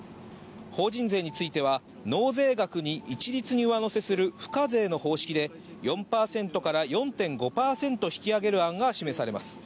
法人税については、納税額に一律に上乗せする付加税の方式で、４％から４．５％引き上げる案が示されます。